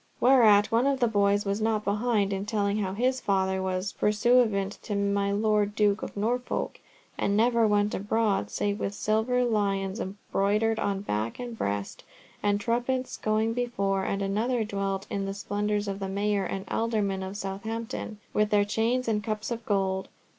Whereat one of the other boys was not behind in telling how his father was pursuivant to my Lord Duke of Norfolk, and never went abroad save with silver lions broidered on back and breast, and trumpets going before; and another dwelt on the splendours of the mayor and aldermen of Southampton with their chains and cups of gold.